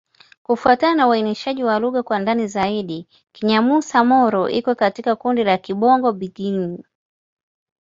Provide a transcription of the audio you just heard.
Kufuatana na uainishaji wa lugha kwa ndani zaidi, Kinyamusa-Molo iko katika kundi la Kibongo-Bagirmi.